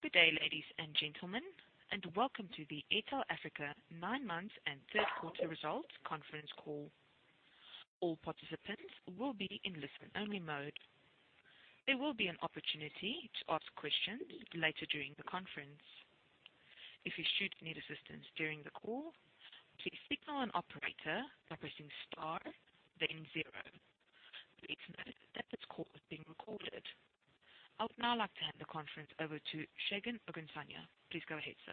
Good day, ladies and gentlemen, and welcome to the Airtel Africa nine months and Q3 results conference call. All participants will be in listen-only mode. There will be an opportunity to ask questions later during the conference. If you should need assistance during the call, please signal an operator by pressing star then zero. Please note that this call is being recorded. I would now like to hand the conference over to Segun Ogunsanya. Please go ahead, sir.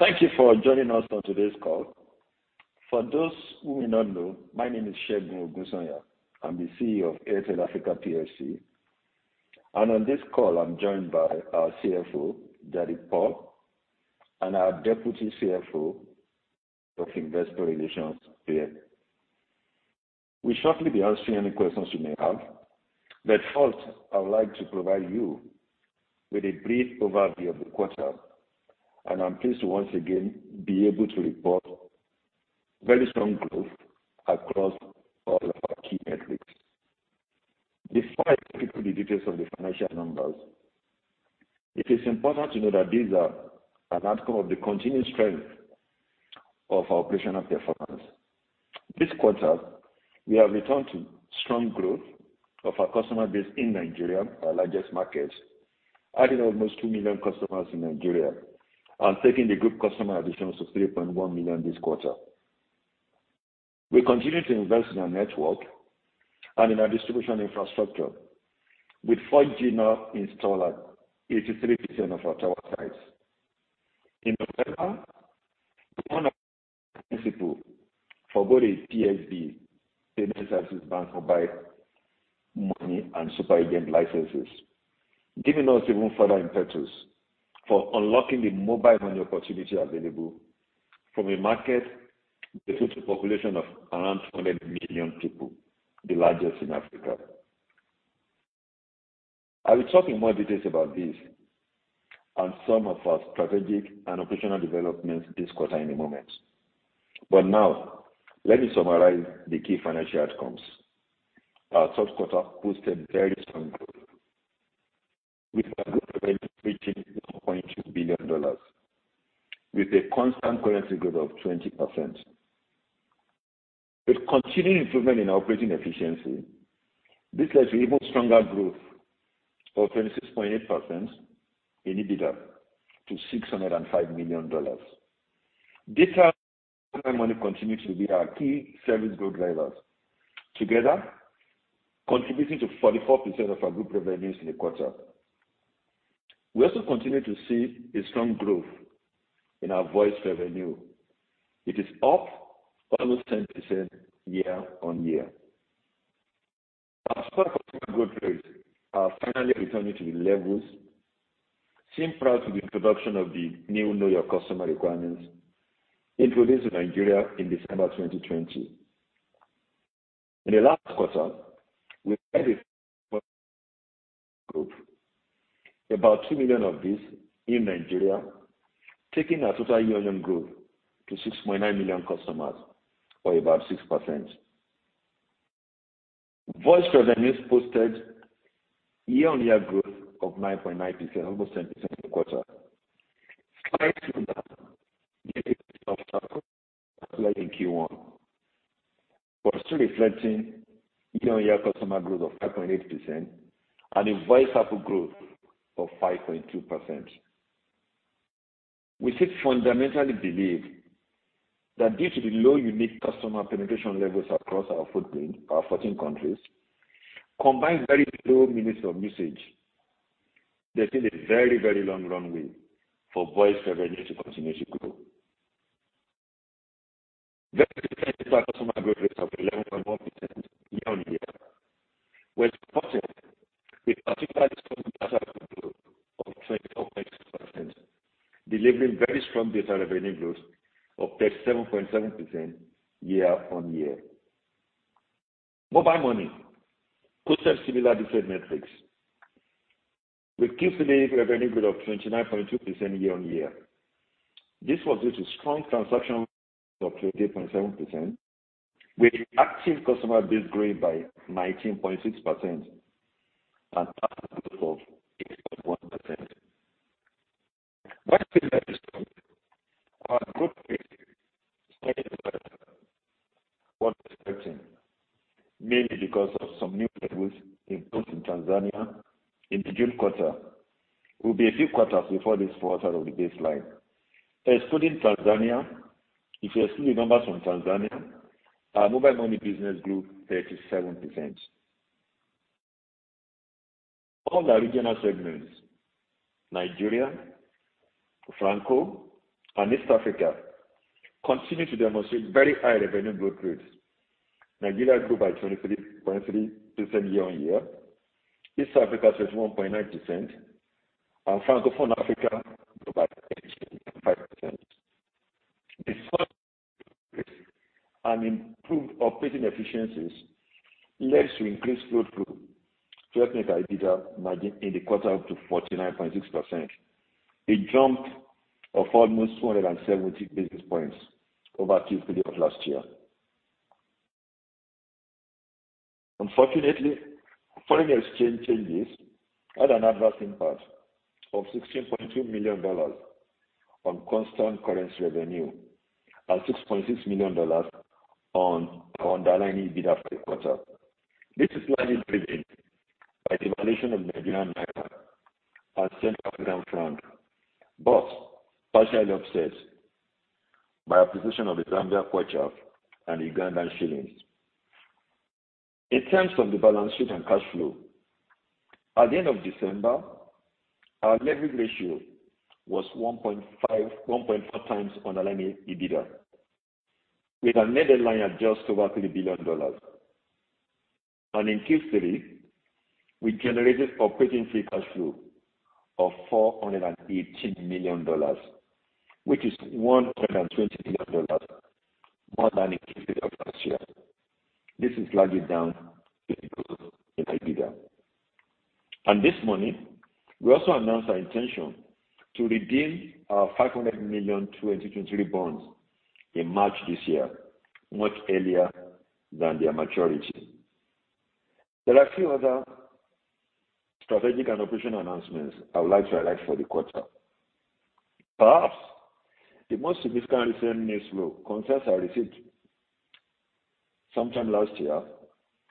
Thank you for joining us on today's call. For those who may not know, my name is Segun Ogunsanya. I'm the CEO of Airtel Africa plc. On this call, I'm joined by our CFO, Jaideep Paul, and our Deputy CFO of Investor Relations, Pierre-Yves Denez. We'll shortly be answering any questions you may have. First, I would like to provide you with a brief overview of the quarter. I'm pleased to once again be able to report very strong growth across all of our key metrics. Before I go into the details of the financial numbers, it is important to know that these are an outcome of the continued strength of our operational performance. This quarter, we have returned to strong growth of our customer base in Nigeria, our largest market, adding almost 2 million customers in Nigeria and taking the group customer additions to 3.1 million this quarter. We continue to invest in our network and in our distribution infrastructure with 4G now installed at 83% of our tower sites. In November, we won approval for both the PSB, Payment Service Bank, mobile money, and super agent licenses, giving us even further impetus for unlocking the mobile money opportunity available from a market with a total population of around 200 million people, the largest in Africa. I will talk in more details about this and some of our strategic and operational developments this quarter in a moment. Now let me summarize the key financial outcomes. Our Q3 posted very strong growth, with our group revenue reaching $2.2 billion with a constant currency growth of 20%. With continuing improvement in our operating efficiency, this led to even stronger growth of 26.8% in EBITDA to $605 million. Data and mobile money continue to be our key service growth drivers, together contributing to 44% of our group revenues in the quarter. We also continue to see a strong growth in our voice revenue. It is up almost 10% year-on-year. Our customer growth rates are finally returning to the levels seen prior to the introduction of the new Know Your Customer requirements introduced in Nigeria in December 2020. In the last quarter, we added 1.2 million group, about 2 million of this in Nigeria, taking our total year-on-year growth to 6.9 million customers or about 6%. Voice revenues posted year-on-year growth of 9.9%, almost 10% in the quarter, slightly lower than the 18% growth we had in Q1 but still reflecting year-on-year customer growth of 5.8% and a voice ARPU growth of 5.2%. We still fundamentally believe that due to the low unique customer penetration levels across our footprint, our 14 countries, combined very low minutes of usage, there's still a very, very long runway for voice revenue to continue to grow. Data ARPU customer growth rates of 11.1% year-on-year was posted, with particularly strong data ARPU growth of 24.6%, delivering very strong data revenue growth of 37.7% year-on-year. Mobile money posted similar decent metrics with Q3 revenue growth of 29.2% year-on-year. This was due to strong transaction growth of 28.7%, with active customer base growing by 19.6% and ARPU growth of 8.1%. While still very strong, our growth rate is slightly lower than what we were expecting, mainly because of some new levels imposed in Tanzania in the June quarter. We'll be a few quarters before this falls out of the baseline. Excluding Tanzania. If you exclude the numbers from Tanzania, our mobile money business grew 37%. All our regional segments, Nigeria, Francophone, and East Africa continue to demonstrate very high revenue growth rates. Nigeria grew by 23.3% year-on-year. East Africa, 31.9%. Francophone Africa grew by 18.5%. The strong growth rates and improved operating efficiencies led to increased flow through to underlying EBITDA margin in the quarter up to 49.6%, a jump of almost 270 basis points over Q3 of last year. Unfortunately, foreign exchange changes had an adverse impact of $16.2 million on constant currency revenue and $6.6 million on our underlying EBITDA for the quarter. This is largely driven by devaluation of Nigerian naira and Central African franc, but partially offset by appreciation of the Zambia kwacha and Ugandan shillings. In terms of the balance sheet and cash flow, at the end of December, our leverage ratio was 1.4 times underlying EBITDA, with our net debt lying at just over $3 billion. In Q3, we generated operating free cash flow of $480 million, which is $120 million more than in Q3 of last year. This is largely down to improved EBITDA. This morning, we also announced our intention to redeem our $500 million 2023 bonds in March this year, much earlier than their maturity. There are a few other strategic and operational announcements I would like to highlight for the quarter. Perhaps the most significant recent news flow concerns our receipt of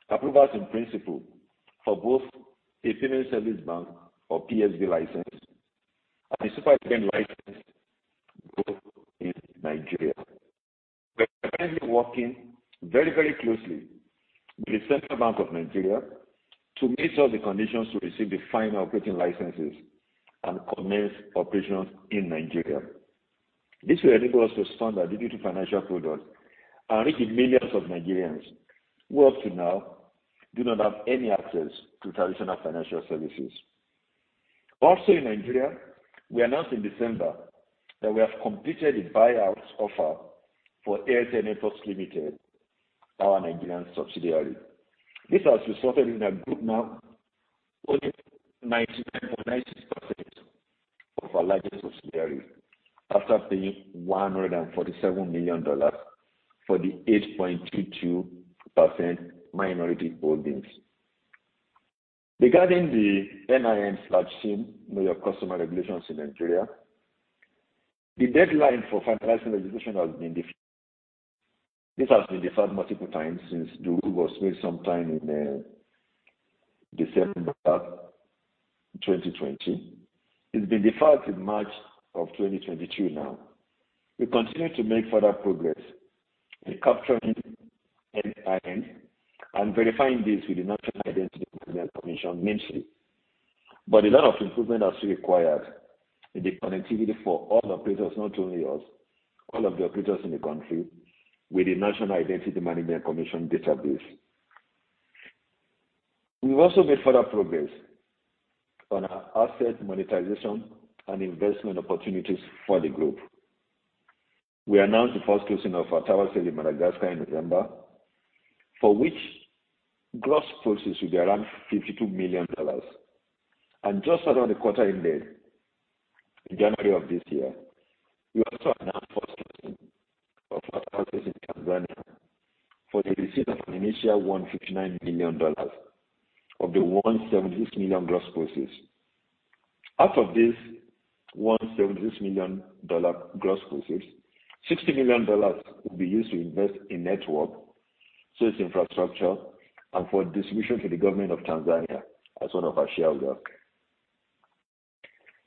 approvals in principle sometime last year for both a Payment Service Bank or PSB license and a super agent license both in Nigeria. We are currently working very, very closely with the Central Bank of Nigeria to meet all the conditions to receive the final operating licenses and commence operations in Nigeria. This will enable us to expand our digital financial products and reach the millions of Nigerians who up to now do not have any access to traditional financial services. Also in Nigeria, we announced in December that we have completed the buyout offer for Airtel Networks Limited, our Nigerian subsidiary. This has resulted in our group now owning 99.96% of our largest subsidiary after paying $147 million for the 8.22% minority holdings. Regarding the NIN/SIM Know Your Customer regulations in Nigeria, the deadline for finalizing registration has been deferred multiple times since the rule was made sometime in December 2020. It's been deferred to March 2022 now. We continue to make further progress in capturing NIN and verifying this with the National Identity Management Commission mainly. A lot of improvement are still required in the connectivity for all operators, not only us, all of the operators in the country, with the National Identity Management Commission database. We've also made further progress on our asset monetization and investment opportunities for the group. We announced the first closing of our tower sale in Madagascar in November, for which gross proceeds will be around $52 million. Just around the quarter end date in January of this year, we also announced first closing of our towers in Tanzania for the receipt of an initial $159 million of the $176 million gross proceeds. Out of this $176 million dollar gross proceeds, $60 million will be used to invest in network, so it's infrastructure and for distribution to the government of Tanzania as one of our shareholders.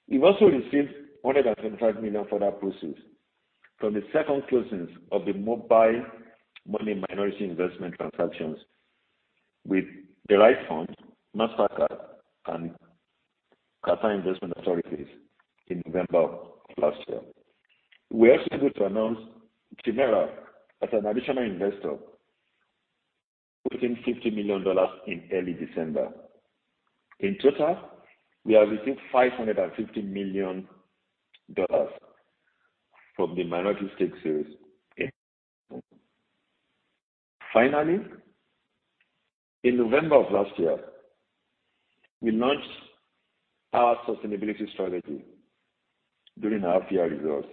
We've also received $175 million further proceeds from the second closings of the Mobile Money minority investment transactions with DerivFund, Mastercard, and Qatar Investment Authority in November of last year. We are also able to announce Chimera as an additional investor putting $50 million in early December. In total, we have received $550 million from the minority stake sales in Mobile Money. Finally, in November of last year, we launched our sustainability strategy during our half year results.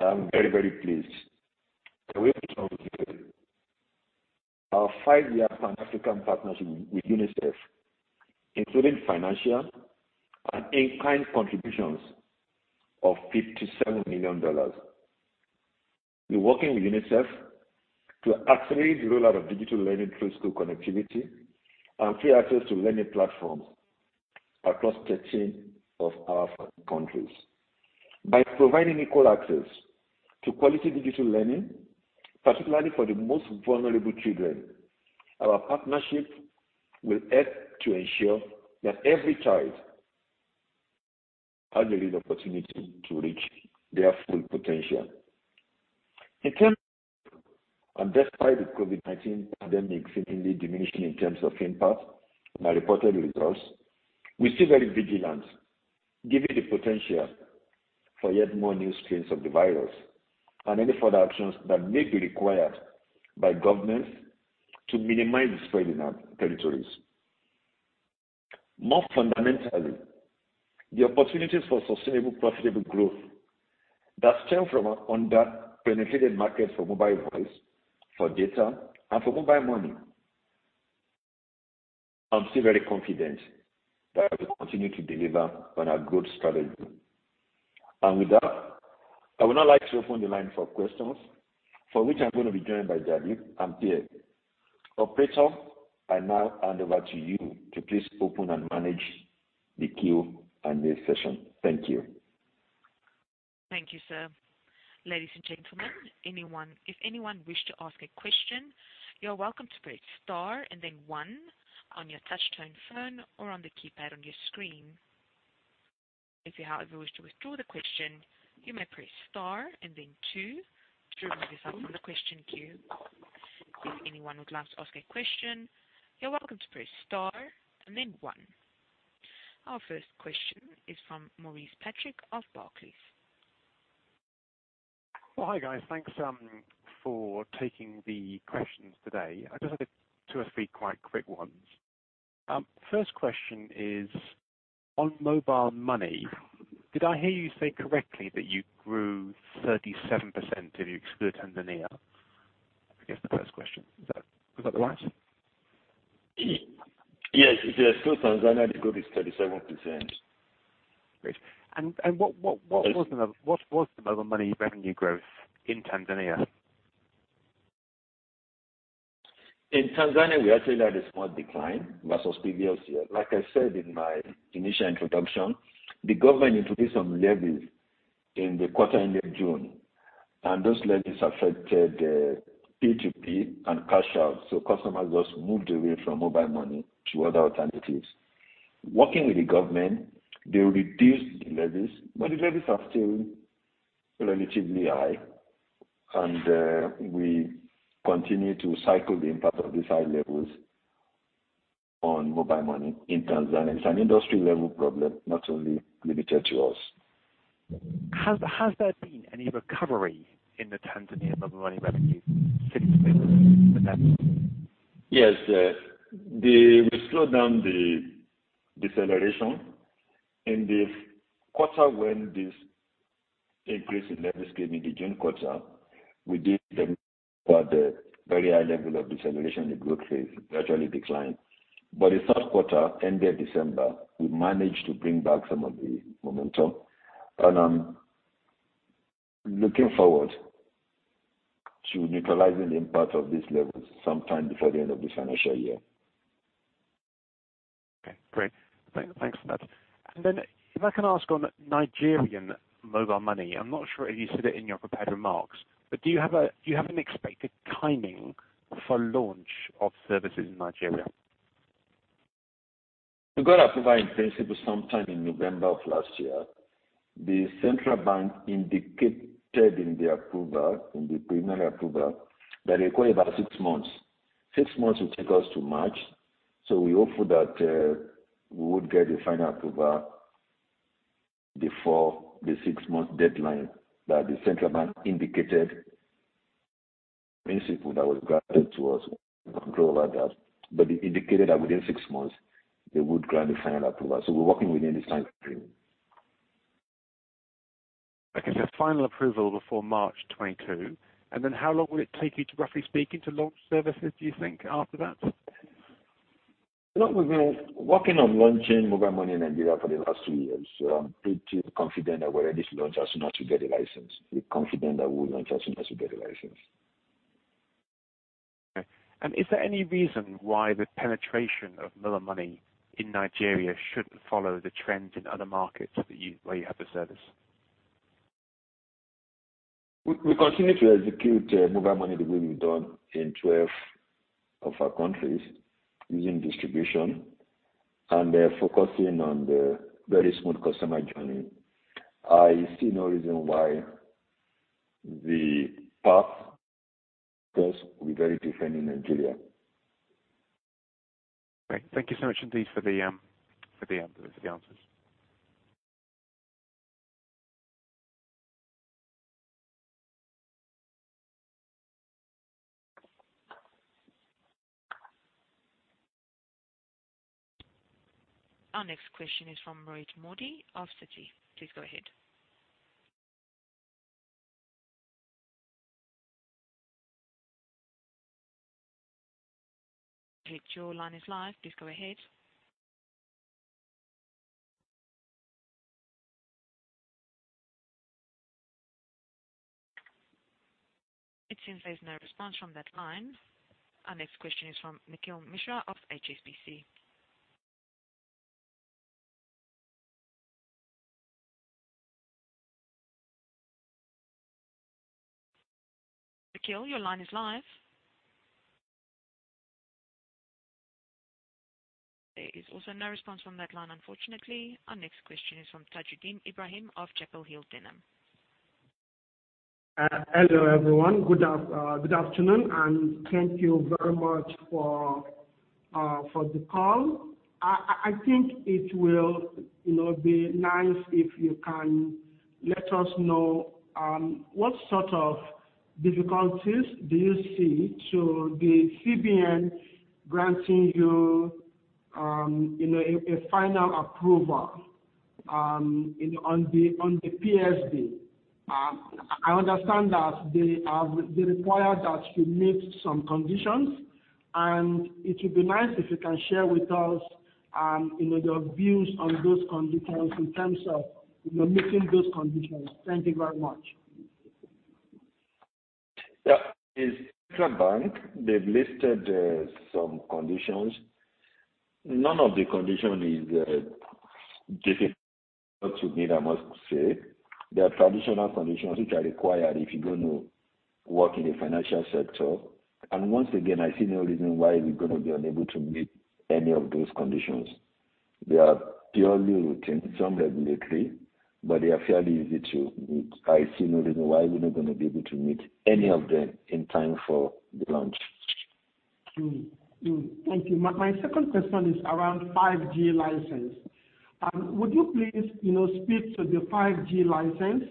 I am very, very pleased that we have concluded our five-year pan-African partnership with UNICEF, including financial and in-kind contributions of $57 million. We're working with UNICEF to accelerate the rollout of digital learning through school connectivity and free access to learning platforms across 13 of our 40 countries. By providing equal access to quality digital learning, particularly for the most vulnerable children, our partnership will help to ensure that every child has a real opportunity to reach their full potential. In terms of COVID, and despite the COVID-19 pandemic seemingly diminishing in terms of impact on our reported results, we're still very vigilant given the potential for yet more new strains of the virus and any further actions that may be required by governments to minimize the spread in our territories. More fundamentally, the opportunities for sustainable profitable growth that stem from our underpenetrated markets for mobile voice, for data, and for mobile money. I'm still very confident that we'll continue to deliver on our growth strategy. With that, I would now like to open the line for questions for which I'm going to be joined by Jaideep Paul and Pierre-Yves Denez. Operator, I now hand over to you to please open and manage the queue and this session. Thank you. Thank you, sir. Ladies and gentlemen, anyone. If anyone wish to ask a question, you are welcome to press star and then one on your touch-tone phone or on the keypad on your screen. If you, however, wish to withdraw the question, you may press star and then two to remove yourself from the question queue. If anyone would like to ask a question, you're welcome to press star and then one. Our first question is from Maurice Patrick of Barclays. Well, hi, guys. Thanks for taking the questions today. I just have two or three quite quick ones. First question is on mobile money. Did I hear you say correctly that you grew 37% if you exclude Tanzania? I guess the first question. Is that the right? Yes. If you exclude Tanzania, the growth is 37%. Great. What was the mobile money revenue growth in Tanzania? In Tanzania, we actually had a small decline versus previous year. Like I said in my initial introduction, the government introduced some levies in the quarter end of June, and those levies affected P2P and cash out. Customers just moved away from mobile money to other alternatives. Working with the government, they reduced the levies, but the levies are still relatively high. We continue to cycle the impact of these high levels on mobile money in Tanzania. It's an industry-level problem, not only limited to us. Has there been any recovery in the Tanzanian mobile money revenue since then? Yes. They slowed down the deceleration in the quarter when this increase in levies came in the June quarter. We did have a very high level of deceleration. The growth is virtually declined. The Q3, end of December, we managed to bring back some of the momentum. I'm looking forward to neutralizing the impact of these levies sometime before the end of this financial year. Okay, great. Thanks for that. If I can ask on Nigerian mobile money, I'm not sure if you said it in your prepared remarks, but do you have an expected timing for launch of services in Nigeria? We got approval in principle sometime in November of last year. The Central Bank indicated in the approval, in the preliminary approval, that they require about six months. Six months will take us to March, so we hope that we would get the final approval before the six-month deadline that the Central Bank indicated. In principle that was granted to us. We have no control over that. It indicated that within six months, they would grant the final approval. We're working within this timeframe. Okay. Final approval before March 2022. Then how long will it take you to, roughly speaking, to launch services, do you think after that? You know, we've been working on launching mobile money in Nigeria for the last two years, so I'm pretty confident that we're ready to launch as soon as we get the license. We're confident that we'll launch as soon as we get the license. Okay. Is there any reason why the penetration of mobile money in Nigeria shouldn't follow the trends in other markets where you have the service? We continue to execute mobile money the way we've done in 12 of our countries using distribution and focusing on the very smooth customer journey. I see no reason why the path just will be very different in Nigeria. Great. Thank you so much indeed for the answers. Our next question is from Rohit Modi of Citi. Please go ahead. Rohit, your line is live. Please go ahead. It seems there's no response from that line. Our next question is from Nikhil Mishra of HSBC. Nikhil, your line is live. There is also no response from that line unfortunately. Our next question is from Tajudeen Ibrahim of Chapel Hill Denham. Hello, everyone. Good afternoon, and thank you very much for the call. I think it will, you know, be nice if you can let us know what sort of difficulties do you see to the CBN granting you a final approval on the PSB. I understand that they require that you meet some conditions, and it would be nice if you can share with us your views on those conditions in terms of, you know, meeting those conditions. Thank you very much. Yeah. As Central Bank, they've listed some conditions. None of the condition is difficult to meet, I must say. They are traditional conditions which are required if you're gonna work in the financial sector. Once again, I see no reason why we're gonna be unable to meet any of those conditions. They are purely routine, some regulatory, but they are fairly easy to meet. I see no reason why we're not gonna be able to meet any of them in time for the launch. Thank you. My second question is around 5G license. Would you please, you know, speak to the 5G license,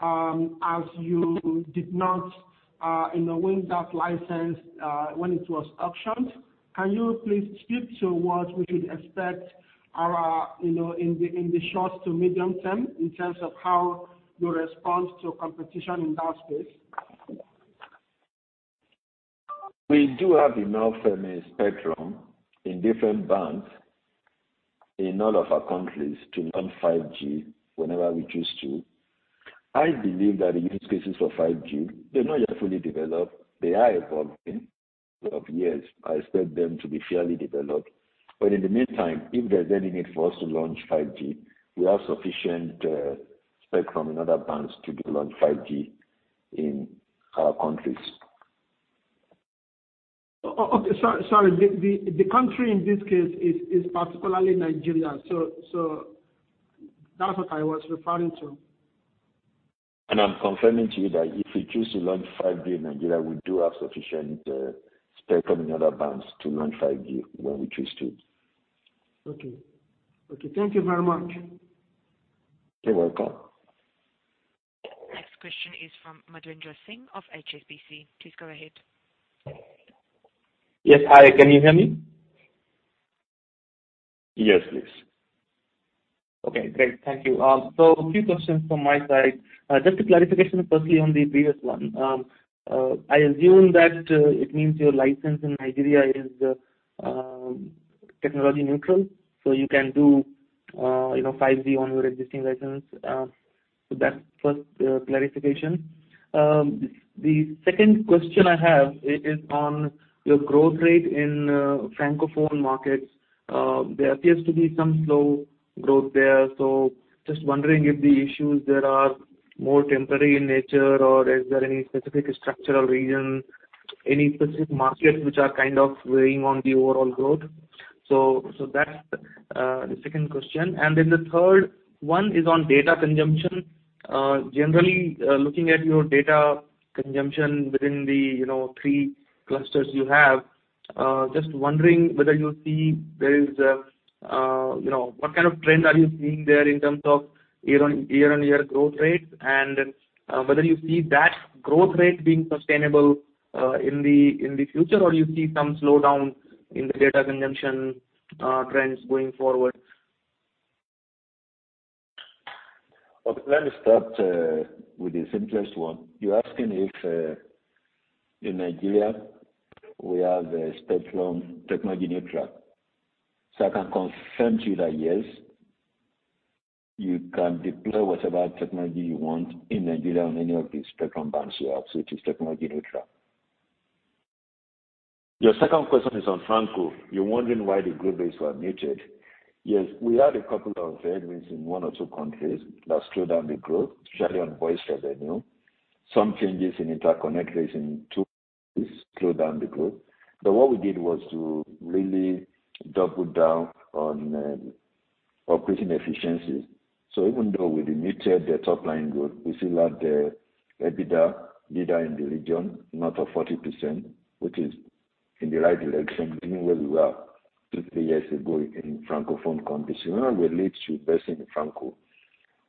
as you did not, you know, win that license, when it was auctioned? Can you please speak to what we should expect, you know, in the short to medium term in terms of how you respond to competition in that space? We do have enough spectrum in different bands in all of our countries to run 5G whenever we choose to. I believe that the use cases for 5G, they're not yet fully developed. They are evolving. Over years, I expect them to be fairly developed. In the meantime, if there's any need for us to launch 5G, we have sufficient spectrum in other bands to launch 5G in our countries. Okay. Sorry. The country in this case is particularly Nigeria. So that's what I was referring to. I'm confirming to you that if we choose to launch 5G in Nigeria, we do have sufficient spectrum in other bands to launch 5G when we choose to. Okay, thank you very much. You're welcome. Next question is from Madhvendra Singh of HSBC. Please go ahead. Yes. Hi, can you hear me? Yes, please. Okay, great. Thank you. A few questions from my side. Just a clarification firstly on the previous one. I assume that it means your license in Nigeria is technology neutral, so you can do you know 5G on your existing license. That's first clarification. The second question I have is on your growth rate in Francophone markets. There appears to be some slow growth there. Just wondering if the issues there are more temporary in nature, or is there any specific structural reason, any specific markets which are kind of weighing on the overall growth? That's the second question. Then the third one is on data consumption. Generally, looking at your data consumption within the, you know, three clusters you have, just wondering what kind of trend you are seeing there in terms of year-on-year growth rates, and whether you see that growth rate being sustainable in the future, or you see some slowdown in the data consumption trends going forward? Okay. Let me start with the simplest one. You're asking if in Nigeria we have a spectrum technology neutral. I can confirm to you that yes, you can deploy whatever technology you want in Nigeria on any of the spectrum bands we have. It is technology neutral. Your second question is on Francophone. You're wondering why the growth rates were muted. Yes. We had a couple of headwinds in one or two countries that slowed down the growth, especially on voice revenue. Some changes in interconnect rates in two countries slowed down the growth. What we did was to really double down on operating efficiencies. Even though we muted the top line growth, we still had the EBITDA margin in the region, north of 40%, which is in the right direction, given where we were two or three years ago in Francophone countries. Remember we lead through investing in 4G.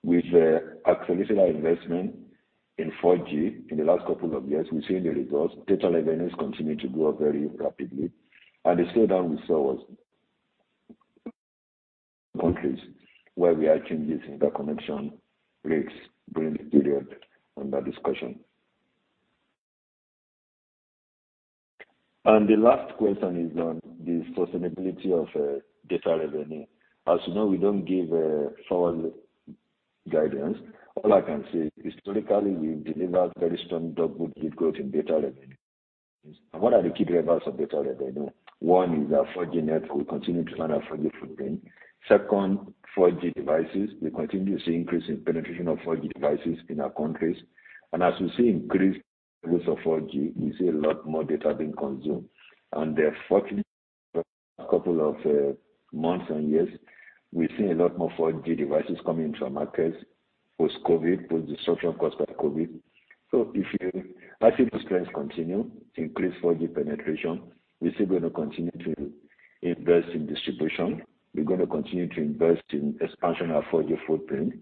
With the accelerated investment in 4G in the last couple of years, we're seeing the results. Data revenues continue to grow very rapidly. The slowdown we saw was countries where we are changing the connection rates during the period under discussion. The last question is on the sustainability of data revenue. As you know, we don't give forward guidance. All I can say historically, we've delivered very strong double-digit growth in data revenue. What are the key drivers of data revenue? One is our 4G network. We continue to run our 4G footprint. Second, 4G devices. We continue to see increase in penetration of 4G devices in our countries. As we see increased use of 4G, we see a lot more data being consumed. Therefore, in the last couple of months and years, we've seen a lot more 4G devices coming into our markets, post COVID, post disruption caused by COVID. I think the trends continue, increased 4G penetration. We're still gonna continue to invest in distribution. We're gonna continue to invest in expansion of 4G footprint.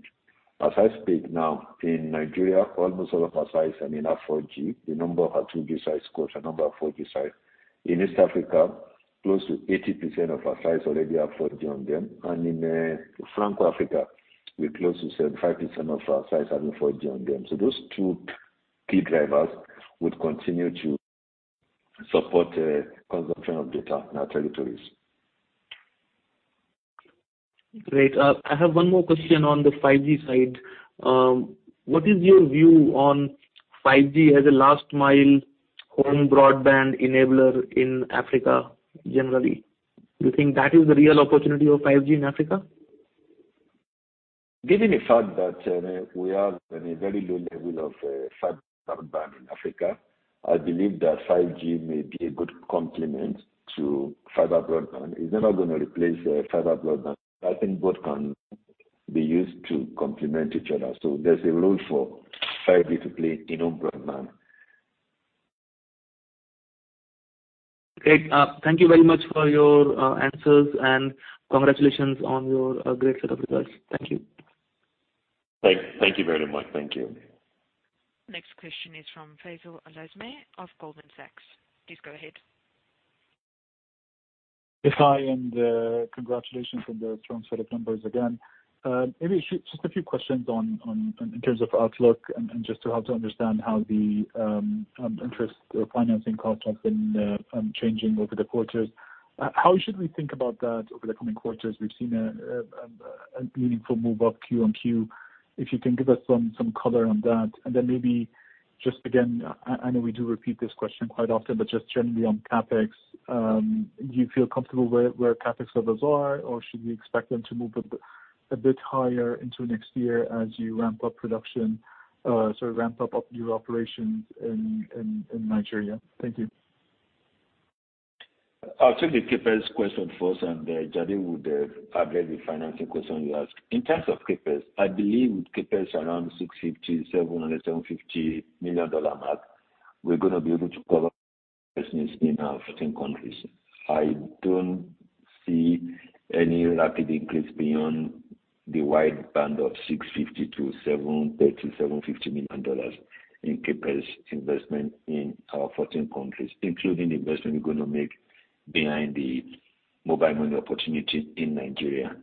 As I speak now, in Nigeria, almost all of our sites, I mean have 4G. The number of our 2G sites is less than the number of 4G sites. In East Africa, close to 80% of our sites already have 4G on them, and in Francophone Africa, we're close to 75% of our sites having 4G on them. Those two key drivers would continue to support consumption of data in our territories. Great. I have one more question on the 5G side. What is your view on 5G as a last mile home broadband enabler in Africa generally? Do you think that is the real opportunity of 5G in Africa? Given the fact that we have a very low level of fiber broadband in Africa, I believe that 5G may be a good complement to fiber broadband. It's never gonna replace fiber broadband. I think both can be used to complement each other. There's a role for 5G to play in home broadband. Great. Thank you very much for your answers, and congratulations on your great set of results. Thank you. Thank you very much. Thank you. Next question is from Faisal Al Azmeh of Goldman Sachs. Please go ahead. Yes, hi, and congratulations on the strong set of numbers again. Maybe just a few questions on in terms of outlook and just to help to understand how the interest or financing cost has been changing over the quarters. How should we think about that over the coming quarters? We've seen a meaningful move up Q on Q. If you can give us some color on that. Maybe just again, I know we do repeat this question quite often, but just generally on CapEx, do you feel comfortable where CapEx levels are, or should we expect them to move a bit higher into next year as you ramp up production, sort of ramp up new operations in Nigeria? Thank you. I'll take the CapEx question first, and Jaideep Paul would address the financing question you asked. In terms of CapEx, I believe with CapEx around $650 million, $700 million, $750 million mark, we're gonna be able to cover business in our 14 countries. I don't see any rapid increase beyond the wide band of $650 million to $730 million, $750 million in CapEx investment in our 14 countries, including the investment we're gonna make behind the mobile money opportunity in Nigeria.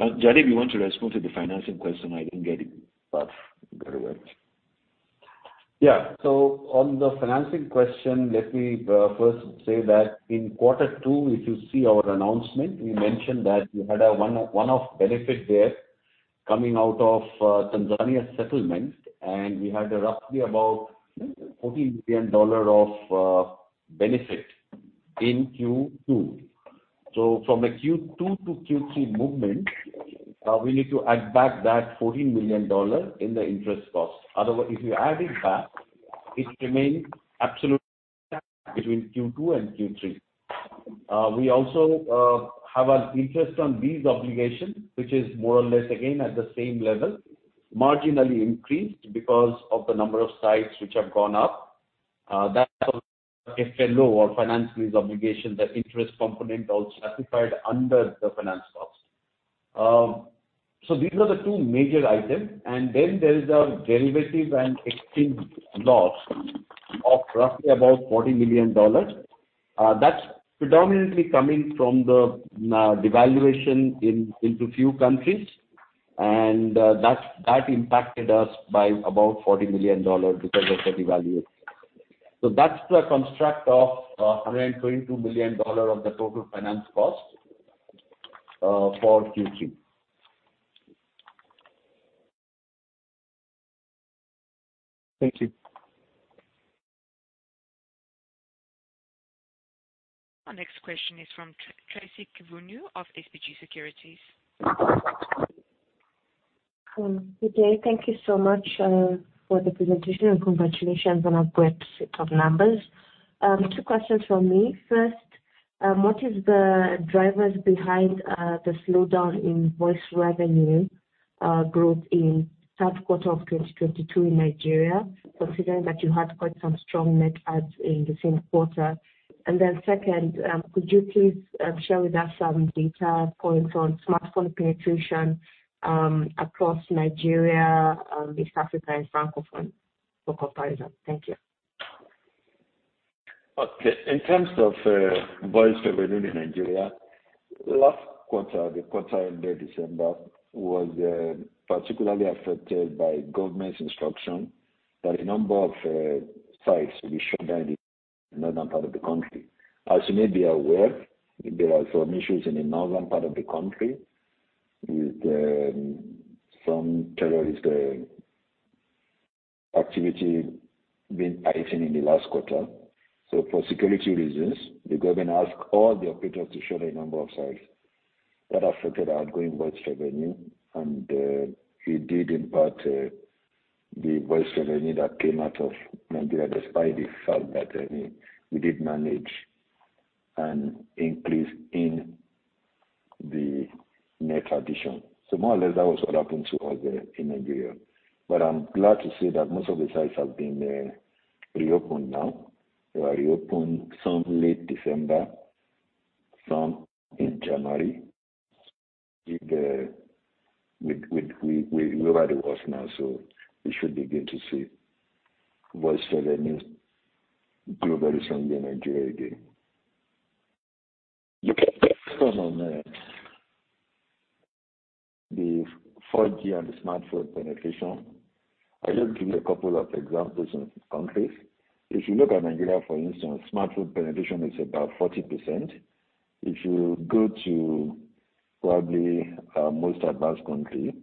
Jaideep Paul, if you want to respond to the financing question, I can take it but go ahead. On the financing question, let me first say that in quarter two, if you see our announcement, we mentioned that we had a one-off benefit there coming out of Tanzania settlement, and we had roughly about $14 million of benefit in Q2. From a Q2 to Q3 movement, we need to add back that $14 million in the interest cost. If you add it back, it remains absolutely between Q2 and Q3. We also have an interest on these obligations, which is more or less again at the same level, marginally increased because of the number of sites which have gone up. That's the finance lease obligation, that interest component also classified under the finance cost. These are the two major items. There is a derivative and exchange loss of roughly $40 million. That's predominantly coming from the devaluation in few countries. That impacted us by about $40 million because of that devaluation. That's the construct of $122 million of the total finance cost for Q3. Thank you. Our next question is from Tracy Kivunyu of SBG Securities. Good day. Thank you so much for the presentation and congratulations on a great set of numbers. 2 questions from me. First, what is the drivers behind the slowdown in voice revenue growth in Q3 of 2022 in Nigeria, considering that you had quite some strong net adds in the same quarter? Second, could you please share with us some data points on smartphone penetration across Nigeria, East Africa and Francophone for comparison? Thank you. Okay. In terms of voice revenue in Nigeria, last quarter, the quarter ended December, was particularly affected by government's instruction that a number of sites will be shut down in the northern part of the country. As you may be aware, there were some issues in the northern part of the country with some terrorist activity been heightened in the last quarter. For security reasons, the government asked all the operators to shut a number of sites. That affected outgoing voice revenue, and it did impact the voice revenue that came out of Nigeria despite the fact that we did manage an increase in the net addition. More or less that was what happened to us in Nigeria. I'm glad to say that most of the sites have been reopened now. They were reopened some late December, some in January. We're over the worst now, so we should begin to see voice revenue grow very soon in Nigeria again. Look at the question on the 4G and the smartphone penetration. I just give you a couple of examples in countries. If you look at Nigeria, for instance, smartphone penetration is about 40%. If you go to probably most advanced country,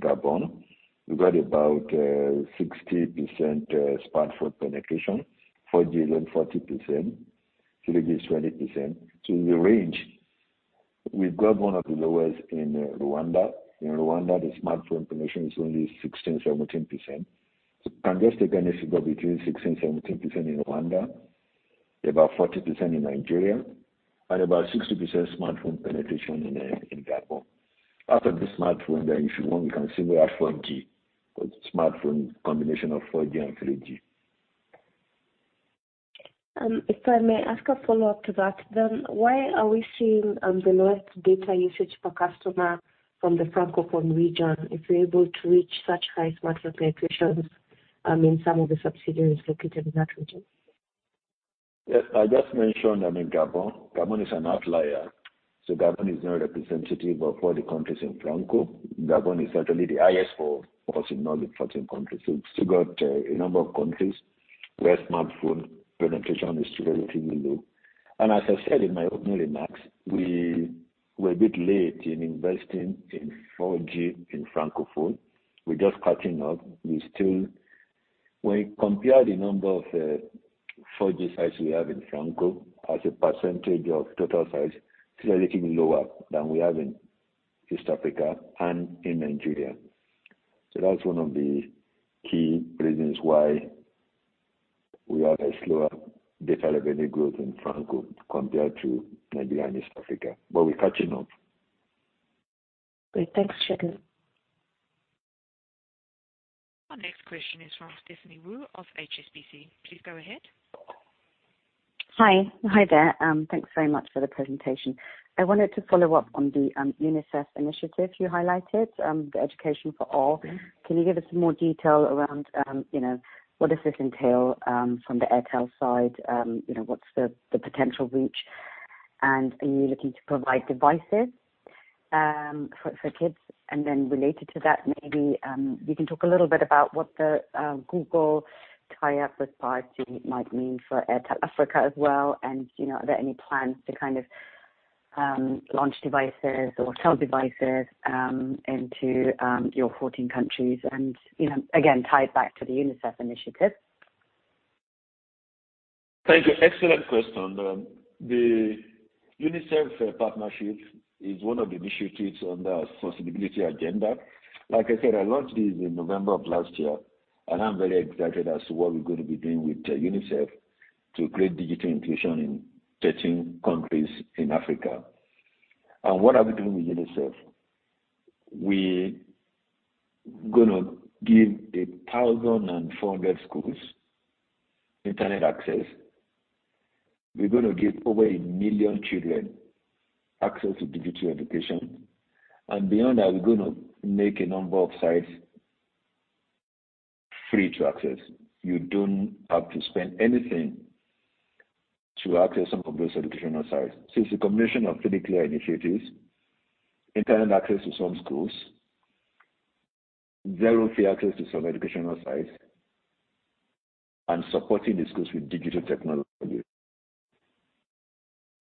Gabon, we've got about 60% smartphone penetration, 4G around 40%, 3G is 20%. In the range, we've got one of the lowest in Rwanda. In Rwanda, the smartphone penetration is only 16%-17%. You can just take an average of between 16%-17% in Rwanda, about 40% in Nigeria, and about 60% smartphone penetration in Gabon. Out of the smartphone, then if you want, we can see we have 4G, but smartphone combination of 4G and 3G. If I may ask a follow-up to that, then why are we seeing the lowest data usage per customer from the Francophone region if we're able to reach such high smartphone penetrations in some of the subsidiaries located in that region? Yes. I just mentioned, I mean, Gabon. Gabon is an outlier. Gabon is not representative of all the countries in Franco. Gabon is certainly the highest for us in all the 14 countries. We've still got a number of countries where smartphone penetration is still relatively low. As I said in my opening remarks, we were a bit late in investing in 4G in Francophone. We're just catching up. When you compare the number of 4G sites we have in Franco as a percentage of total sites, it's relatively lower than we have in East Africa and in Nigeria. That's one of the key reasons why we have a slower data revenue growth in Franco compared to Nigeria and East Africa, but we're catching up. Great. Thanks, Segun. Our next question is from Stephanie Wu of HSBC. Please go ahead. Hi there. Thanks very much for the presentation. I wanted to follow up on the UNICEF initiative you highlighted, the Education for All. Can you give us some more detail around, you know, what does this entail, from the Airtel side? You know, what's the potential reach? And are you looking to provide devices for kids? And then related to that, maybe, you can talk a little bit about what the Google tie-up with 5G might mean for Airtel Africa as well. And, you know, are there any plans to kind of launch devices or sell devices into your 14 countries and, you know, again, tied back to the UNICEF initiative? Thank you. Excellent question. The UNICEF partnership is one of the initiatives under our sustainability agenda. Like I said, I launched this in November of last year, and I'm very excited as to what we're gonna be doing with UNICEF to create digital inclusion in 13 countries in Africa. What are we doing with UNICEF? We gonna give 1,400 schools internet access. We're gonna give over 1 million children access to digital education. Beyond that, we're gonna make a number of sites free to access. You don't have to spend anything to access some of those educational sites. It's a combination of three clear initiatives, internet access to some schools, zero fee access to some educational sites, and supporting the schools with digital technology.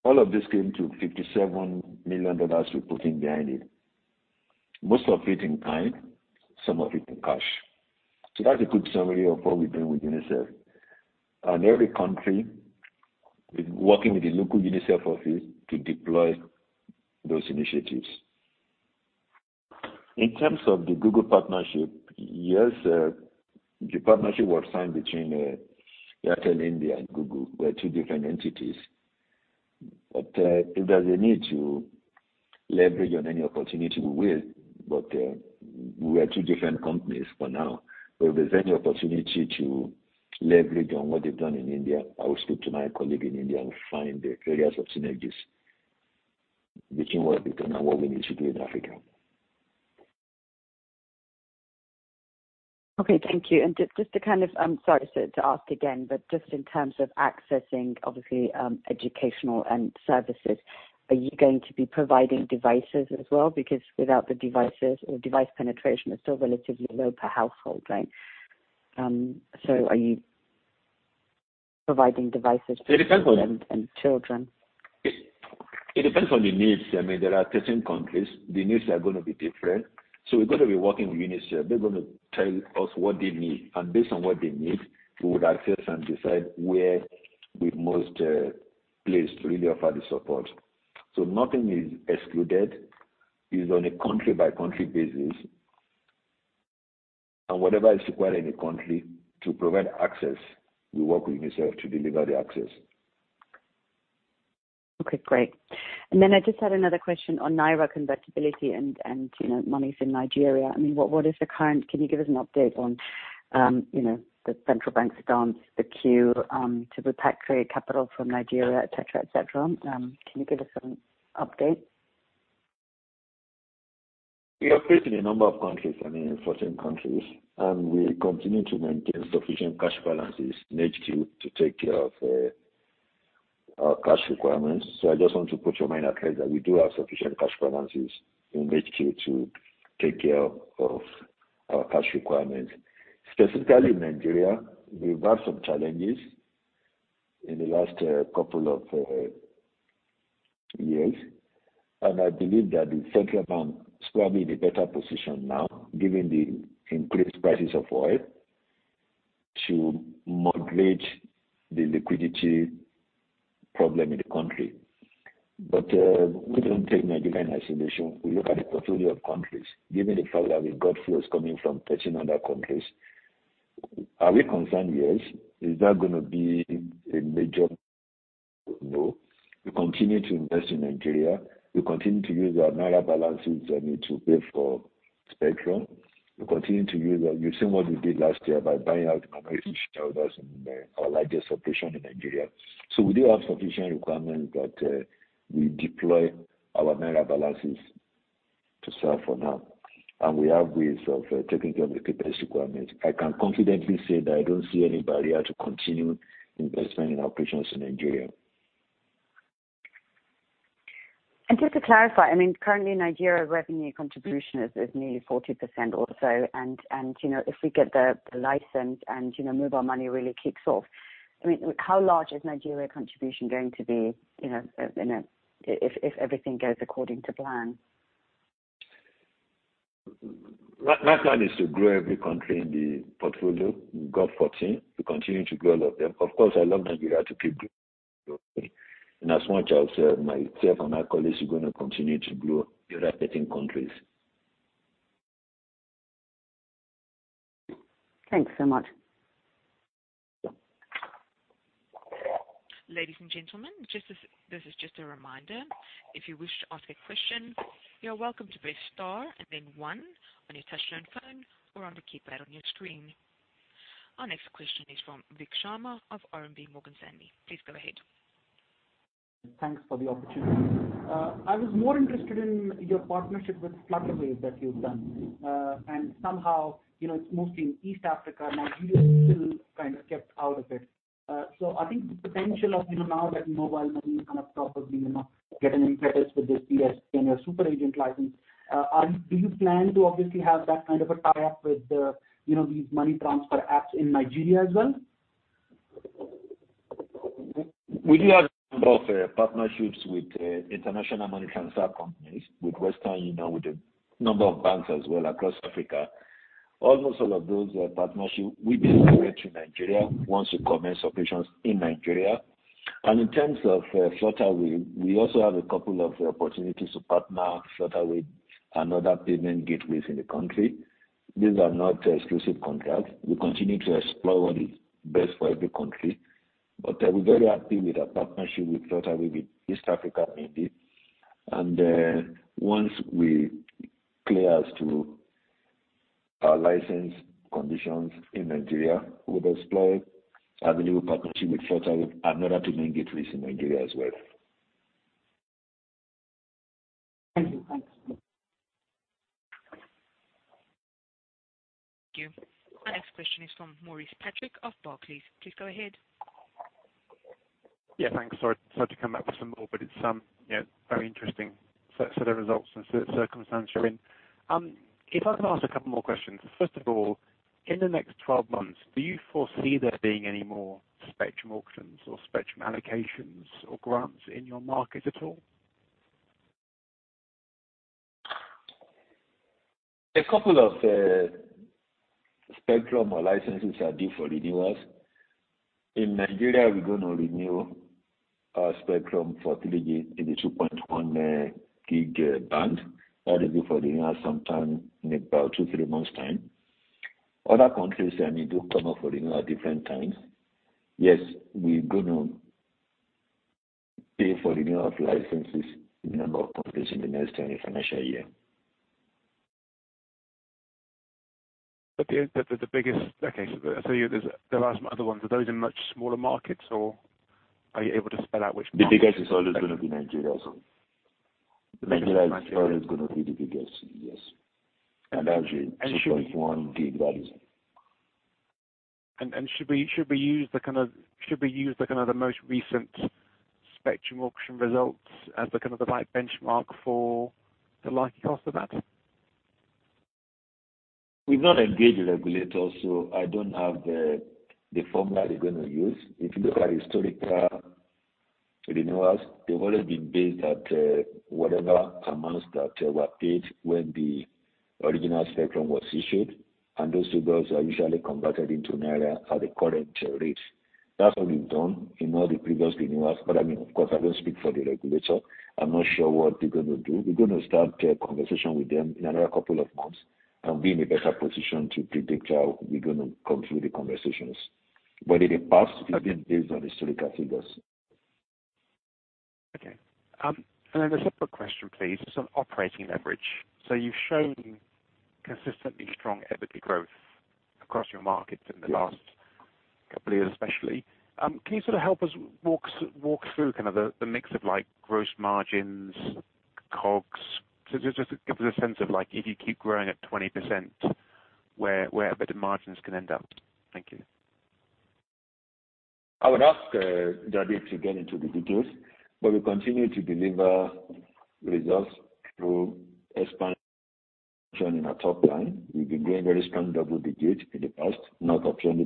All of this came to $57 million we're putting behind it, most of it in kind, some of it in cash. That's a good summary of what we're doing with UNICEF. Every country is working with the local UNICEF office to deploy those initiatives. In terms of the Google partnership, yes, the partnership was signed between Airtel India and Google. We're two different entities. If there's a need to leverage on any opportunity, we will. We are two different companies for now. If there's any opportunity to leverage on what they've done in India, I will speak to my colleague in India and find areas of synergies between what they've done and what we need to do in Africa. Okay. Thank you. Just to kind of I'm sorry to ask again, but just in terms of accessing obviously, educational and services, are you going to be providing devices as well? Because without the devices or device penetration is still relatively low per household, right? Are you providing devices- It depends on. to the children? It depends on the needs. I mean, there are certain countries the needs are gonna be different. We're gonna be working with UNICEF. They're gonna tell us what they need, and based on what they need, we would assess and decide where we best placed to really offer the support. Nothing is excluded. It's on a country by country basis. Whatever is required in a country to provide access, we work with UNICEF to deliver the access. Okay, great. I just had another question on Naira convertibility and, you know, monies in Nigeria. I mean, what is the current. Can you give us an update on, you know, the Central Bank stance, the queue to repatriate capital from Nigeria, et cetera, et cetera. Can you give us an update? We operate in a number of countries, I mean 14 countries, and we continue to maintain sufficient cash balances in HQ to take care of our cash requirements. I just want to put your mind at rest that we do have sufficient cash balances in HQ to take care of our cash requirements. Specifically in Nigeria, we've had some challenges in the last couple of years, and I believe that the Central Bank is probably in a better position now, given the increased prices of oil, to moderate the liquidity problem in the country. We don't take Nigeria in isolation. We look at a portfolio of countries. Given the fact that we've got flows coming from 13 other countries, are we concerned? Yes. Is that gonna be a major? No. We continue to invest in Nigeria. We continue to use our Naira balances, I mean, to pay for spectrum. You've seen what we did last year by buying out minority shareholders in our largest operation in Nigeria. We do have sufficient requirements that we deploy our Naira balances to serve for now. We have ways of taking care of the CapEx requirements. I can confidently say that I don't see any barrier to continue investment in operations in Nigeria. Just to clarify, I mean, currently Nigeria revenue contribution is nearly 40% or so. You know, if we get the license and, you know, mobile money really kicks off, I mean, how large is Nigeria contribution going to be, you know, if everything goes according to plan? My plan is to grow every country in the portfolio. We've got 14. We continue to grow all of them. Of course, I love Nigeria to keep growing. In as much as, myself and my colleagues are gonna continue to grow the other 13 countries. Thanks so much. Ladies and gentlemen, this is just a reminder. If you wish to ask a question, you are welcome to press star and then one on your touchtone phone or on the keypad on your screen. Our next question is from Vikhyat Sharma of RMB Morgan Stanley. Please go ahead. Thanks for the opportunity. I was more interested in your partnership with Flutterwave that you've done. Somehow, you know, it's mostly in East Africa. Nigeria still kind of kept out of it. I think the potential of, you know, now that mobile money is kind of probably, you know, getting in credits with this PSP and your super agent license, do you plan to obviously have that kind of a tie-up with the, you know, these money transfer apps in Nigeria as well? We do have both partnerships with international money transfer companies, with Western Union, with a number of banks as well across Africa. Almost all of those partnership we believe will get to Nigeria once we commence operations in Nigeria. In terms of Flutterwave, we also have a couple of opportunities to partner Flutterwave and other payment gateways in the country. These are not exclusive contracts. We continue to explore what is best for every country. We're very happy with our partnership with Flutterwave in East Africa, indeed. Once we clear as to our license conditions in Nigeria, we'll explore available partnership with Flutterwave and other payment gateways in Nigeria as well. Thank you. Thank you. Our next question is from Maurice Patrick of Barclays. Please go ahead. Yeah, thanks. Sorry to come back for some more, but it's, you know, very interesting set of results and circumstances you're in. If I can ask a couple more questions. First of all, in the next 12 months, do you foresee there being any more spectrum auctions or spectrum allocations or grants in your market at all? A couple of spectrum or licenses are due for renewals. In Nigeria, we're gonna renew our spectrum for 3G in the 2.1 GHz band. That is due for renewal sometime in about 2-3 months' time. Other countries, I mean, do come up for renewal at different times. Yes, we're gonna pay for renewal of licenses in a number of countries in the next financial year. There are other ones. Are those in much smaller markets or are you able to spell out which markets? The biggest is always gonna be Nigeria. Nigeria is always gonna be the biggest, yes. Actually 2.1G that is. Should we use the kind of the most recent spectrum auction results as the kind of the right benchmark for the likely cost of that? We've not engaged the regulators, so I don't have the formula they're gonna use. If you look at historical renewals, they've always been based on whatever amounts that were paid when the original spectrum was issued, and those figures are usually converted into Naira at the current rate. That's what we've done in all the previous renewals. I mean, of course, I don't speak for the regulator. I'm not sure what they're gonna do. We're gonna start a conversation with them in another couple of months and be in a better position to predict how we're gonna come through the conversations. In the past, it has been based on historical figures. A separate question, please, just on operating leverage. You've shown consistently strong EBITDA growth across your markets in the last couple of years, especially. Can you sort of help us walk through kind of the mix of like gross margins, COGS? Just give us a sense of like, if you keep growing at 20% where EBITDA margins can end up. Thank you. I would ask Jaideep Paul to get into the details, but we continue to deliver results through expansion in our top line. We've been growing very strong double digits in the past, north of 20%.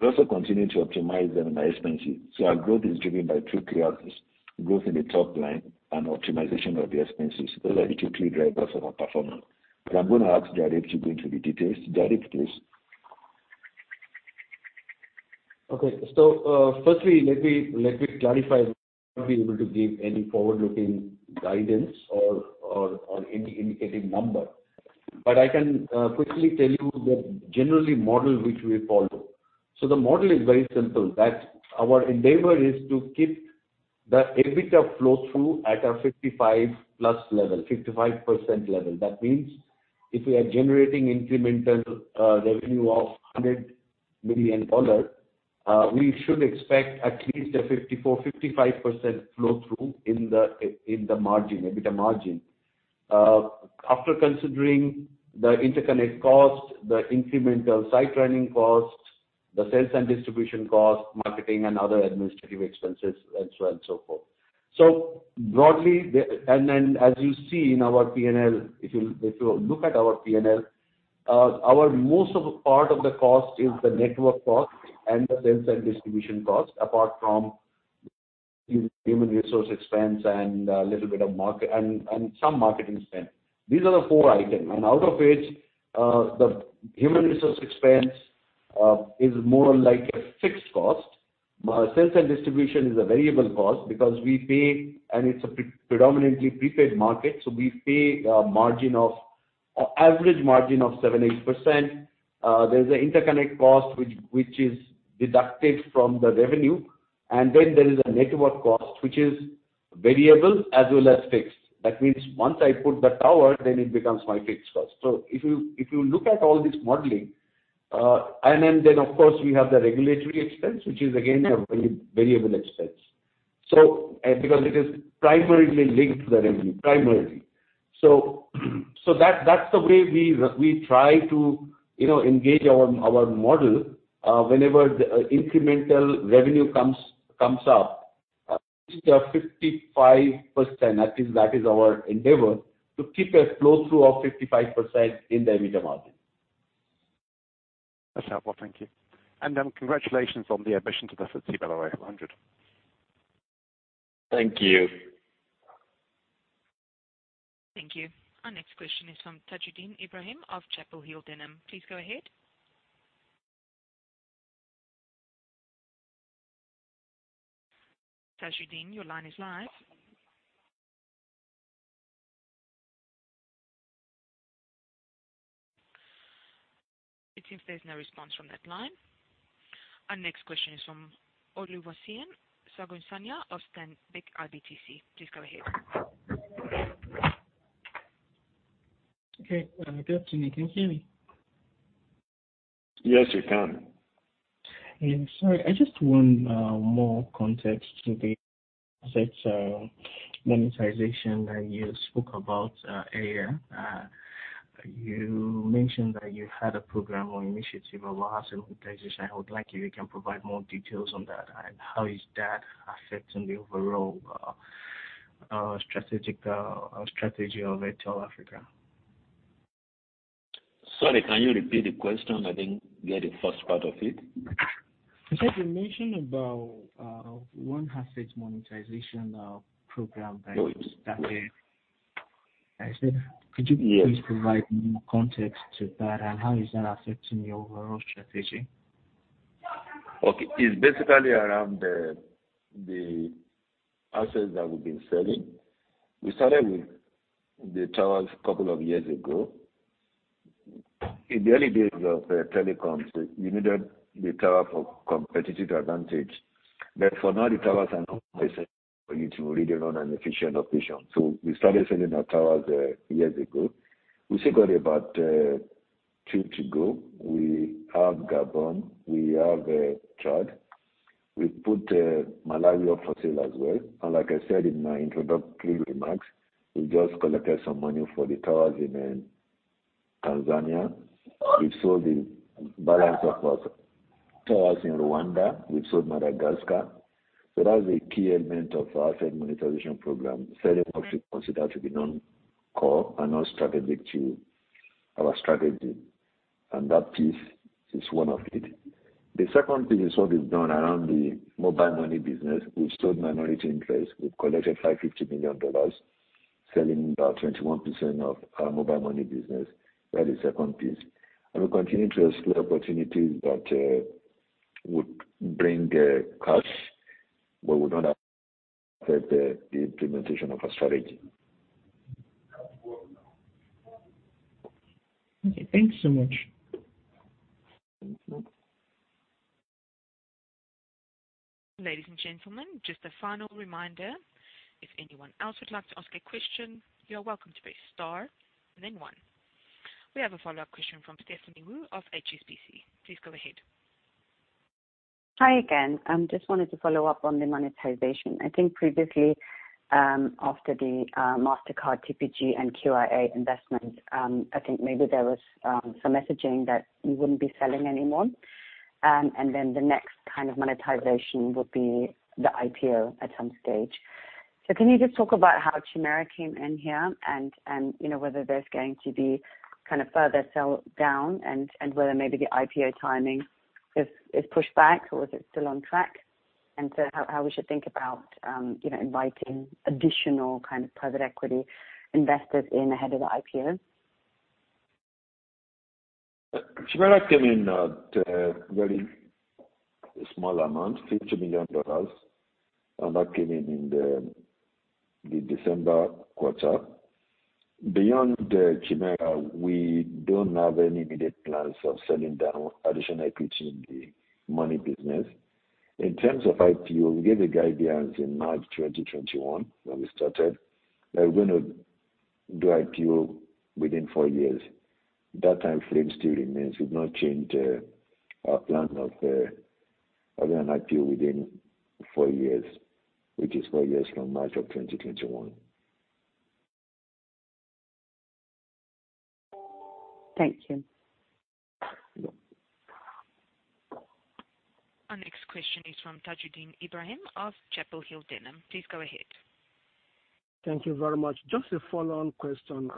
We also continue to optimize on our expenses. Our growth is driven by two key aspects, growth in the top line and optimization of the expenses. Those are the two key drivers of our performance. I'm gonna ask Jaideep Paul to go into the details. Jaideep Paul, please. Okay. Firstly, let me clarify, I won't be able to give any forward-looking guidance or any indicative number. I can quickly tell you the general model which we follow. The model is very simple. Our endeavor is to keep the EBITDA flow through at a 55%+ level, 55% level. That means if we are generating incremental revenue of $100 million, we should expect at least a 54%-55% flow through in the margin, EBITDA margin. After considering the interconnect cost, the incremental site running costs, the sales and distribution costs, marketing and other administrative expenses, and so on and so forth. Broadly, the As you see in our P&L, if you look at our P&L, most part of the cost is the network cost and the sales and distribution cost, apart from human resource expense and a little bit of marketing and some marketing spend. These are the four items. Out of which, the human resource expense is more like a fixed cost. Sales and distribution is a variable cost because we pay, and it's a predominantly prepaid market, so we pay an average margin of 7%-8%. There's an interconnect cost which is deducted from the revenue. There is a network cost, which is variable as well as fixed. That means once I put the tower, then it becomes my fixed cost. If you look at all this modeling, and then of course we have the regulatory expense, which is again a very variable expense, so because it is primarily linked to the revenue, primarily. That's the way we try to, you know, engage our model whenever the incremental revenue comes up. At least that is our endeavor to keep a flow through of 55% in the EBITDA margin. That's helpful. Thank you. Congratulations on the admission to the FTSE below 800. Thank you. Thank you. Our next question is from Tajudeen Ibrahim of Chapel Hill Denham. Please go ahead. Tajudeen, your line is live. It seems there's no response from that line. Our next question is from Oluwaseun Sagonsonya of Stanbic IBTC. Please go ahead. Okay. Good afternoon. Can you hear me? Yes, we can. Yeah. Sorry, I just want more context to the asset monetization that you spoke about earlier. You mentioned that you had a program or initiative around asset monetization. I would like if you can provide more details on that. How is that affecting the overall strategy of Airtel Africa. Sorry, can you repeat the question? I didn't get the first part of it. You said you mentioned about one asset monetization program that you started. Yes. Could you please provide more context to that? How is that affecting your overall strategy? Okay. It's basically around the assets that we've been selling. We started with the towers a couple of years ago. In the early days of telecoms, you needed the tower for competitive advantage. For now, the towers are not necessary for you to really run an efficient operation. We started selling our towers years ago. We still got about two to go. We have Gabon. We have Chad. We put Malawi up for sale as well. Like I said in my introductory remarks, we just collected some money for the towers in Tanzania. We've sold the balance of our towers in Rwanda. We've sold Madagascar. That's a key element of our asset monetization program, selling what we consider to be non-core and non-strategic to our strategy. That piece is one of it. The second thing is what we've done around the mobile money business. We've sold minority interest. We've collected $550 million selling about 21% of our mobile money business. That is second piece. We continue to explore opportunities that would bring cash but would not affect the implementation of our strategy. Okay, thanks so much. Ladies and gentlemen, just a final reminder, if anyone else would like to ask a question, you are welcome to press star and then one. We have a follow-up question from Stephanie Wu of HSBC. Please go ahead. Hi again. Just wanted to follow up on the monetization. I think previously, after the Mastercard, TPG and QIA investment, I think maybe there was some messaging that you wouldn't be selling anymore. The next kind of monetization would be the IPO at some stage. Can you just talk about how Chimera came in here and, you know, whether there's going to be kind of further sell down and, whether maybe the IPO timing is pushed back or is it still on track? How we should think about, you know, inviting additional kind of private equity investors in ahead of the IPO. Chimera came in at a very small amount, $50 million, and that came in in the December quarter. Beyond Chimera, we don't have any immediate plans of selling down additional equity in the money business. In terms of IPO, we gave a guidance in March 2021, when we started, that we're gonna do IPO within four years. That timeframe still remains. We've not changed our plan of having an IPO within four years, which is four years from March of 2021. Thank you. You're welcome. Our next question is from Tajudeen Ibrahim of Chapel Hill Denham. Please go ahead. Thank you very much. Just a follow-on question.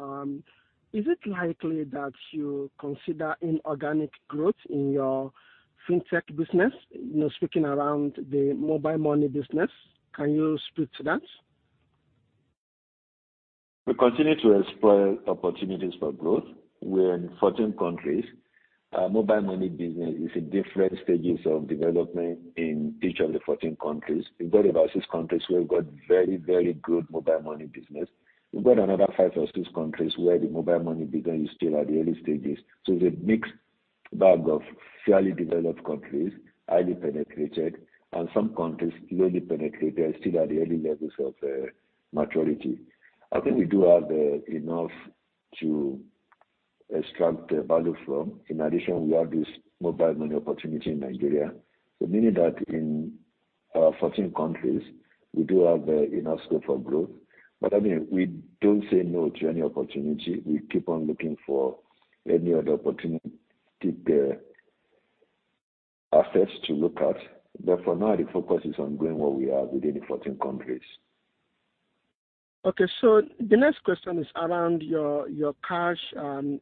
Is it likely that you consider inorganic growth in your FinTech business? You know, speaking around the mobile money business, can you speak to that? We continue to explore opportunities for growth. We're in 14 countries. Our mobile money business is in different stages of development in each of the 14 countries. We've got about six countries where we've got very, very good mobile money business. We've got another five or six countries where the mobile money business is still at the early stages. It's a mixed bag of fairly developed countries, highly penetrated, and some countries lowly penetrated, still at the early levels of maturity. I think we do have enough to extract the value from. In addition, we have this mobile money opportunity in Nigeria. Meaning that in 14 countries, we do have enough scope for growth. I mean, we don't say no to any opportunity. We keep on looking for any other opportunity, assets to look at. For now, the focus is on growing what we have within the 14 countries. The next question is around your cash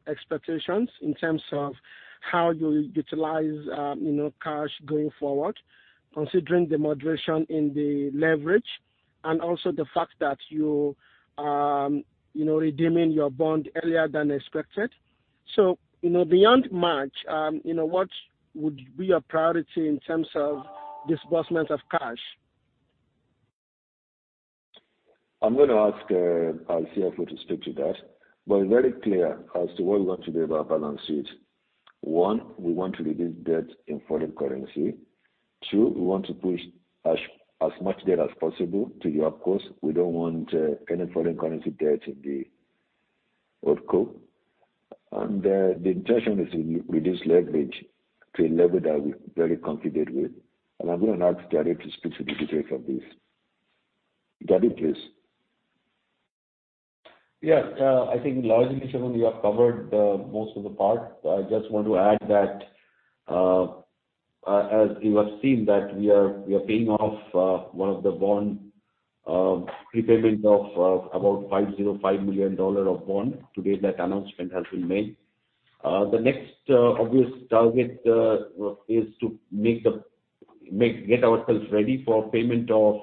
expectations in terms of how you utilize you know cash going forward, considering the moderation in the leverage and also the fact that you you know redeeming your bond earlier than expected. You know, beyond March, you know, what would be your priority in terms of disbursement of cash? I'm gonna ask our CFO to speak to that. It's very clear as to what we want to do with our balance sheet. One, we want to reduce debt in foreign currency. Two, we want to push as much debt as possible to the OpCo. We don't want any foreign currency debt in the Holdco. The intention is to reduce leverage to a level that we're very confident with. I'm gonna ask Jaideep Paul to speak to the details of this. Jaideep Paul, please. Yes. I think largely, Segun, you have covered most of the part. I just want to add that, as you have seen, we are paying off one of the bond, prepayment of about $505 million of bond. Today that announcement has been made. The next obvious target is to get ourselves ready for payment of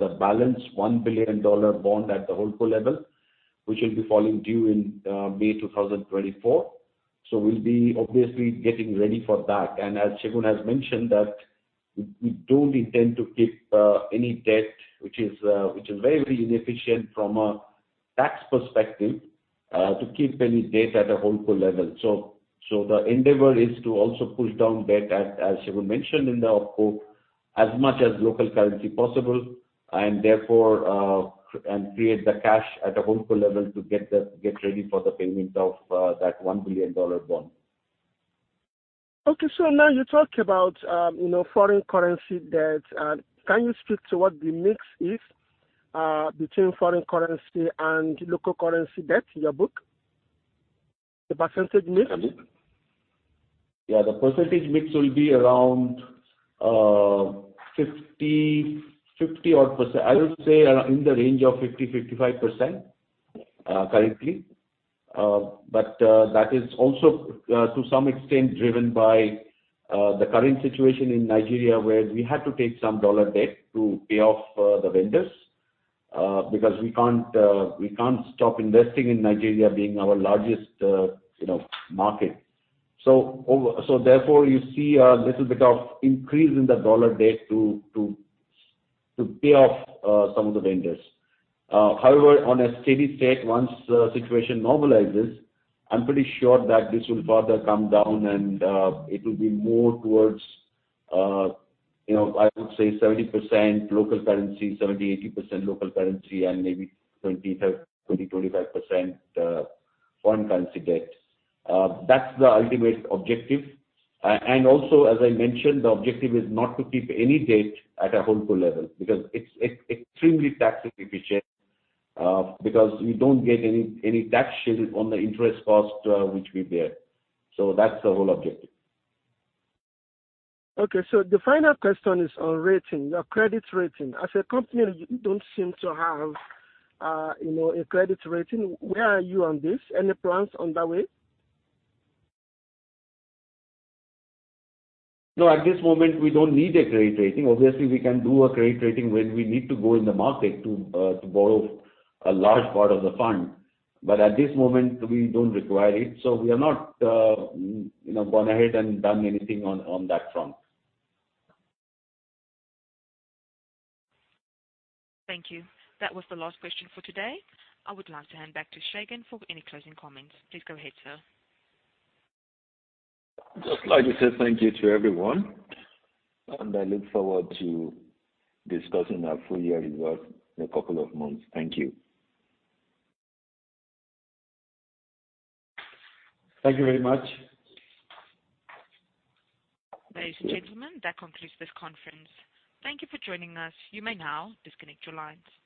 the balance $1 billion bond at the Holdco level, which will be falling due in May 2024. So we'll be obviously getting ready for that. As Segun has mentioned that we don't intend to keep any debt, which is very inefficient from a tax perspective, to keep any debt at a Holdco level. The endeavor is to also push down debt as Segun mentioned in the OpCo in local currency as much as possible, and therefore create the cash at a Holdco level to get ready for the payment of that $1 billion bond. Okay. Now you talk about, you know, foreign currency debt. Can you speak to what the mix is between foreign currency and local currency debt in your book, the percentage mix? Yeah. The percentage mix will be around 50%. I would say around, in the range of 50%-55%, currently. That is also to some extent driven by the current situation in Nigeria, where we had to take some dollar debt to pay off the vendors. Because we can't stop investing in Nigeria being our largest, you know, market. Therefore, you see a little bit of increase in the dollar debt to pay off some of the vendors. However, on a steady state, once the situation normalizes, I'm pretty sure that this will further come down and it will be more towards, you know, I would say 70%-80% local currency and maybe 20%-25% foreign currency debt. That's the ultimate objective. Also as I mentioned, the objective is not to keep any debt at a Holdco level because it's extremely tax inefficient because we don't get any tax shield on the interest cost which we bear. That's the whole objective. Okay. The final question is on rating, your credit rating. As a company you don't seem to have a credit rating. Where are you on this? Any plans on that way? No. At this moment we don't need a credit rating. Obviously, we can do a credit rating when we need to go in the market to borrow a large part of the fund. At this moment we don't require it. We have not, you know, gone ahead and done anything on that front. Thank you. That was the last question for today. I would like to hand back to Segun for any closing comments. Please go ahead, sir. just like to say thank you to everyone, and I look forward to discussing our full year results in a couple of months. Thank you. Thank you very much. Ladies and gentlemen, that concludes this conference. Thank you for joining us. You may now disconnect your lines.